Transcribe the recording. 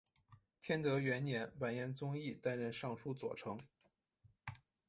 天德元年完颜宗义担任尚书左丞。